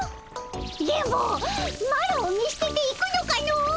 電ボマロを見捨てて行くのかの！